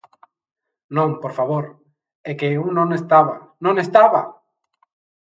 ¡Non, por favor, é que eu non estaba, non estaba!